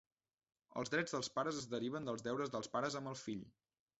Els drets dels pares es deriven dels deures dels pares amb el fill.